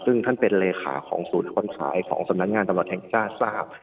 ซึ่งท่านเป็นเลขาของศูนย์คนสายของสำนักงานตำรวจแห่งชาติทราบ